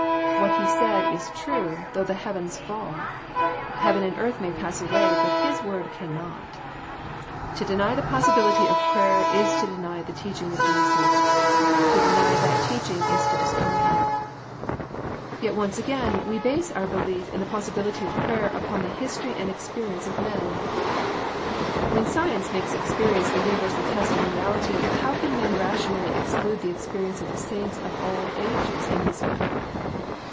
What He said is true though the heavens fall. Heaven and earth may pass away, but His word cannot. To deny the possibility of prayer is to deny the teaching of Jesus. To deny that teaching is to destroy Him. Yet once again, we base our belief in the pos sibility of prayer upon the history and experi THE POSSIBILITY OF PEAYER 25 ence of men. When science makes experience the universal test of reality how can men rationally exclude the experience of the saints of all ages in this matter